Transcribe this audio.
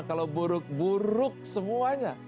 kalau buruk buruk semuanya